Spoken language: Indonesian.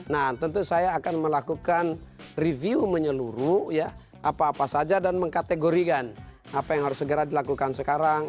nah tentu saya akan melakukan review menyeluruh ya apa apa saja dan mengkategorikan apa yang harus segera dilakukan sekarang